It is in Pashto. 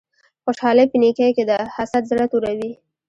خوشحالی په نیکې کی ده حسد زړه توروی